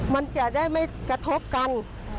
มันจะได้ไม่กระทบกัน